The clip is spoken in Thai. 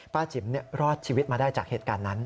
จิ๋มรอดชีวิตมาได้จากเหตุการณ์นั้น